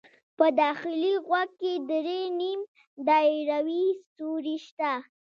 په داخلي غوږ کې درې نیم دایروي سوري شته.